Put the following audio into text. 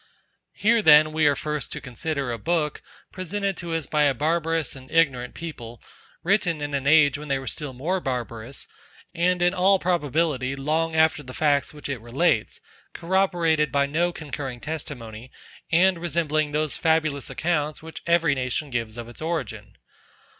Here then we are first to consider a book, presented to us by a barbarous and ignorant people, written in an age when they were still more barbarous, and in all probability long after the facts which it relates, corroborated by no concurring testimony, and resembling those fabulous accounts, which every nation gives of its origin.